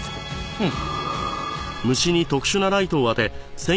うん。